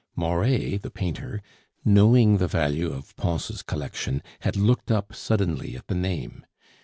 Moret the painter, knowing the value of Pons' collection, had looked up suddenly at the name.